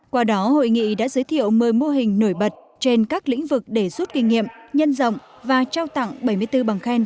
qua đó hội nghị đã giới thiệu một mươi mô hình nổi bật trên các lĩnh vực để rút kinh nghiệm nhân rộng và trao tặng bảy mươi bốn bằng khen